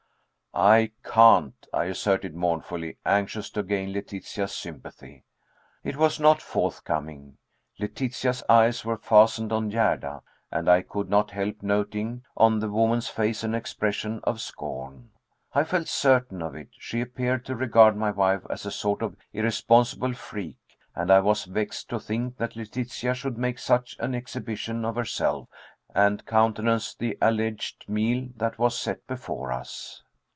"I can't," I asserted mournfully, anxious to gain Letitia's sympathy. It was not forthcoming. Letitia's eyes were fastened on Gerda, and I could not help noting on the woman's face an expression of scorn. I felt certain of it. She appeared to regard my wife as a sort of irresponsible freak, and I was vexed to think that Letitia should make such an exhibition of herself, and countenance the alleged meal that was set before us.